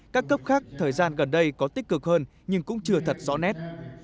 các cấp khác thời gian gần đây có tích cực hơn nhưng cũng chưa thật rõ nét